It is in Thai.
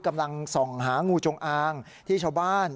กำลังส่องหางูจงอางที่ชาวบ้าน